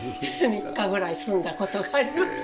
３日ぐらい住んだことがあります。